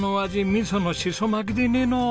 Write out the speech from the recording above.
みそのしそ巻きでねえの！